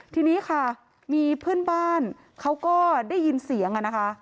ทีนี้ค่ะมีเพื่อนบ้านเขาก็ได้ยินเสียงนะคะ